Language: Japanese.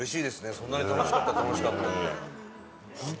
そんなに「楽しかった」「楽しかった」って。